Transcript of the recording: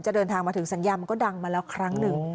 เดินทางมาถึงสัญญามันก็ดังมาแล้วครั้งหนึ่ง